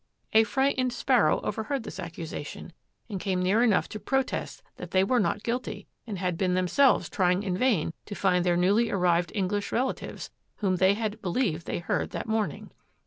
A frightened sparrow overheard this accusation and came near enough to protest that they were not guilty and had been themselves trying in vain to find their newly arrived English relatives, whom they had believed they heard that morning.